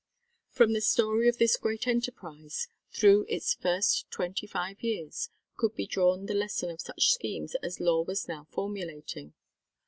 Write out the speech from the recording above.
From the story of this great enterprise, through its first twenty five years, could be drawn the lesson of such schemes as Law was now formulating.